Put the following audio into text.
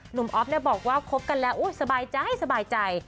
หนุ่มอ๊อฟเนี้ยบอกว่าคบกันแล้วอุ้ยสบายใจสบายใจ